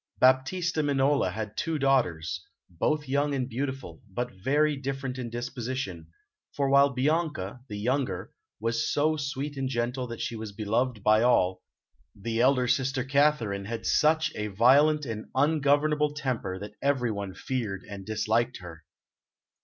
Baptista Minola had two daughters, both young and beautiful, but very different in disposition, for while Bianca, the younger, was so sweet and gentle that she was beloved by all, the elder sister Katharine had such a violent and ungovernable temper that everyone feared and disliked her.